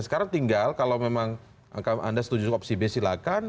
sekarang tinggal kalau memang anda setuju opsi b silakan